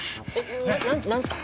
な何すか？